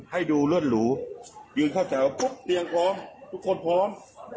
ให้ดูเลิศหรูยืนเข้าแถวปุ๊บเตียงพร้อมทุกคนพร้อม